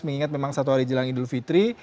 mengingat memang satu hari jelang idul fitri